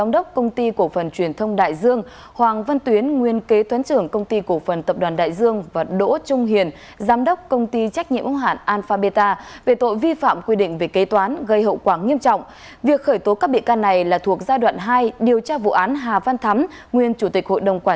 điều tra vụ án hà văn thắm nguyên chủ tịch hội đồng quản trị ngân hàng thương mại cổ phần đại dương ocean bank